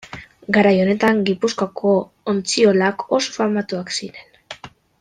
Garai honetan Gipuzkoako ontziolak oso famatuak ziren.